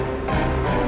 aku nunggu udang kayu jati